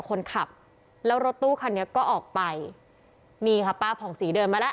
คนขับแล้วรถตู้คันนี้ก็ออกไปนี่ค่ะป้าผ่องศรีเดินมาแล้ว